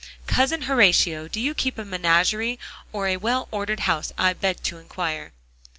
"Cousin Horatio, do you keep a menagerie, or a well ordered house, I beg to inquire?"